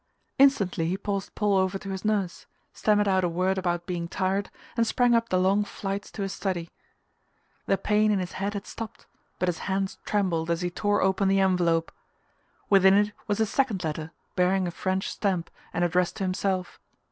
Instantly he passed Paul over to his nurse, stammered out a word about being tired, and sprang up the long flights to his study. The pain in his head had stopped, but his hands trembled as he tore open the envelope. Within it was a second letter bearing a French stamp and addressed to himself.